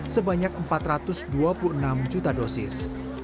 sebanyak empat ratus dua puluh enam juta dosis